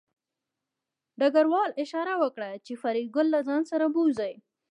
ډګروال اشاره وکړه چې فریدګل له ځان سره بوځي